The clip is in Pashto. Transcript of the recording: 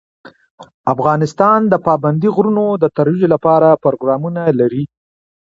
افغانستان د پابندي غرونو د ترویج لپاره پروګرامونه لري.